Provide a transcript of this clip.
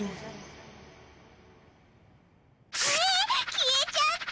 消えちゃった！